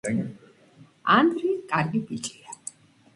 ანდრია კარგი ბიჭია